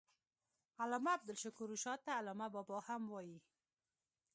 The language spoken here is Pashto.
علامه عبدالشکور رشاد ته علامه بابا هم وايي.